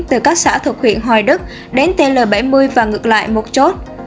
từ các xã thuật huyện hồi đức đến tl bảy mươi và ngược lại một chốt